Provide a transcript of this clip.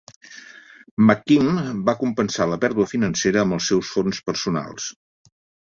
McKim va compensar la pèrdua financera amb els seus fons personals.